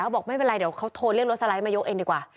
บอกไม่เป็นไรเดี๋ยวเขาโทรเรียกรถสไลด์มายกเองดีกว่า